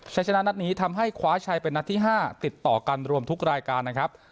ใช้ชนะนัดนี้ทำให้คว้าชัยเป็นนัดที่๕ติดต่อกันรวมทุกรายการนะครับ